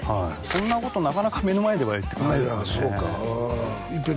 そんなことなかなか目の前では言ってくれないですよね